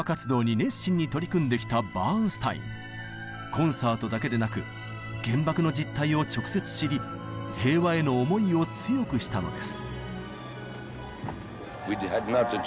コンサートだけでなく原爆の実態を直接知り平和への思いを強くしたのです。